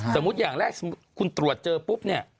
สมมุติอย่างแรกสมมุติคุณตรวจเจอปุ๊บเนี่ย